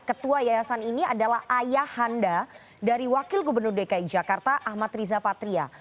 ketua yayasan ini adalah ayah handa dari wakil gubernur dki jakarta ahmad riza patria